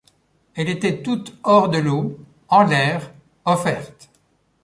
Elle était toute hors de l’eau, en l’air, offerte.